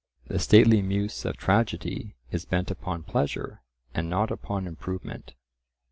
The stately muse of Tragedy is bent upon pleasure, and not upon improvement.